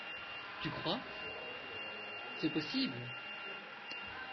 Tu crois ? c’est possible !